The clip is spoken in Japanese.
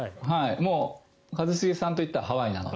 一茂さんといったらハワイなので。